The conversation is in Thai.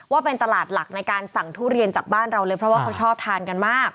ว่าเป็นตลาดหลักในการสั่งทุเรียนจากบ้านเราเลยเพราะว่าเขาชอบทานกันมาก